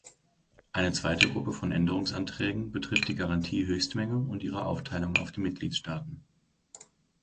Eine zweite Gruppe von Änderungsanträgen betrifft die Garantiehöchstmenge und ihre Aufteilung auf die Mitgliedstaaten.